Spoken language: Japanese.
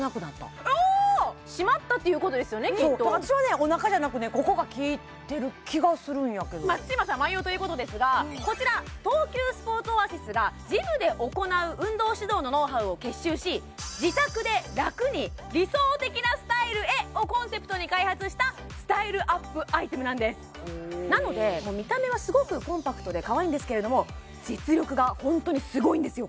きっと私はねおなかじゃなくここが効いてる気がするんやけど松嶋さんも愛用ということですがこちら東急スポーツオアシスがジムで行う運動指導のノウハウを結集しをコンセプトに開発したスタイルアップアイテムなんですなので見た目はすごくコンパクトでかわいいんですけれども実力がホントにすごいんですよ